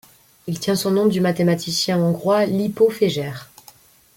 Il tient son nom du mathématicien hongrois Lipót Fejér.